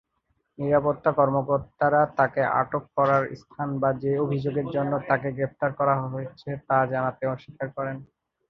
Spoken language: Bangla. নিরাপত্তা কর্মকর্তারা তাকে আটক করার স্থান বা যে অভিযোগের জন্য তাকে গ্রেফতার করা হয়েছে, তা জানাতে অস্বীকার করেন।